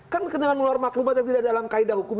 kan dengan keluar maklumat yang tidak ada dalam kaedah hukum